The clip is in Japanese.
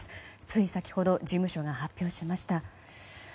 つい先ほど事務所が発表しました。